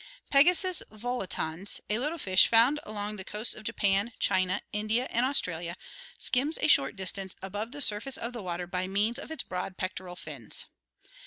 Pegasus volitans, a little fish found along the coasts of Japan, China, India, and Australia, skims a short distance above the surface of the water by means of its broad pectoral fins.